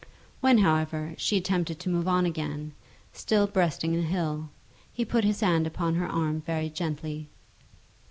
When, however, she attempted to move on again, still breasting the hill, he put his hand upon her arm very gently.